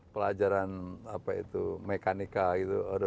pelajaran apa itu mekanika gitu